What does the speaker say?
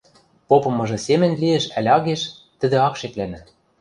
Попымыжы семӹнь лиэш ӓль агеш — тӹдӹ ак шеклӓнӹ.